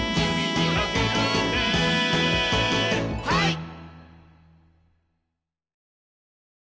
はい！